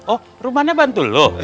oh rumahnya bantu lo